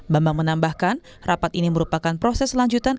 bambah menambahkan rapat ini merupakan proses selanjutan